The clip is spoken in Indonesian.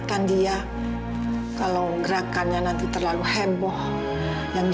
mendingan kamu beli tanah dua x satu meter